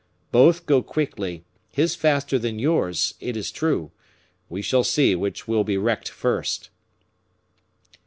Both go quickly, his faster than yours, it is true; we shall see which will be wrecked first."